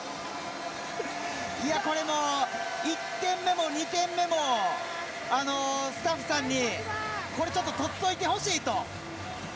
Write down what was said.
これも１点目も２点目もスタッフさんにこれ、ちょっと撮っておいてほしいと。